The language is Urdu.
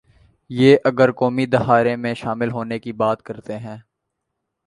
یہ اگر قومی دھارے میں شامل ہونے کی بات کرتے ہیں۔